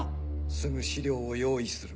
すぐ資料を用意する。